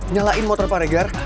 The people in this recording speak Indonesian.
nyalain motor pak regar